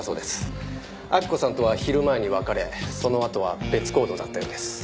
明子さんとは昼前に別れそのあとは別行動だったようです。